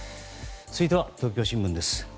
続いては東京新聞です。